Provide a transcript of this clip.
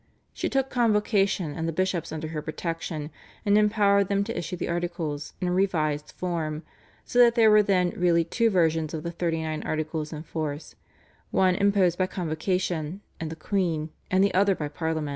She took Convocation and the bishops under her protection and empowered them to issue the Articles in a revised form, so that there were then really two versions of the Thirty Nine Articles in force, one imposed by Convocation and the queen and the other by Parliament.